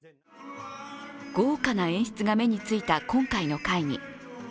豪華な演出が目についた今回の会議。